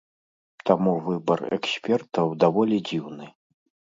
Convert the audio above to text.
Таму выбар экспертаў даволі дзіўны.